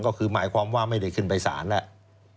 ก็คือหมายความว่าไม่ได้ขึ้นไปศาลแล้ว